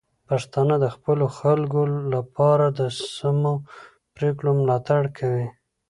پښتانه د خپلو خلکو لپاره د سمو پریکړو ملاتړ کوي.